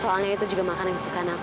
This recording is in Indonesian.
soalnya itu juga makanan kesukaan aku